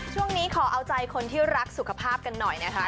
ช่วงนี้ขอเอาใจคนที่รักสุขภาพกันหน่อยนะคะ